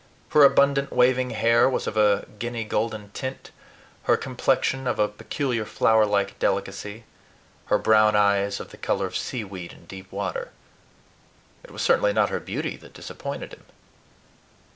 Her abundant waving hair was of a guinea golden tint, her complexion of a peculiar flowerlike delicacy, her brown eyes of the color of seaweed in deep water. It certainly was not her beauty that disappointed him.